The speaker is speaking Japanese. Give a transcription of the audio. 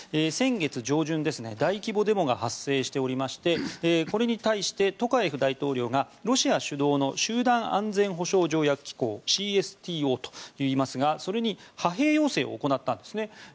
先月上旬、大規模デモが発生しておりましてこれに対してトカエフ大統領がロシア主導の集団安全保障条約機構・ＣＳＴＯといいますがそれに派兵要請を行ったんですね。